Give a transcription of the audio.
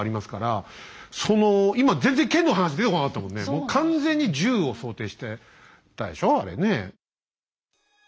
もう完全に銃を想定してたでしょあれね。